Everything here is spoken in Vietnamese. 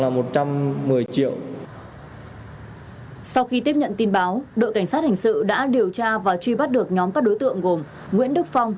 sau khi tiếp nhận tin báo đội cảnh sát hình sự đã điều tra và truy bắt được nhóm các đối tượng gồm nguyễn đức phong